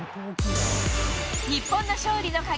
日本の勝利の鍵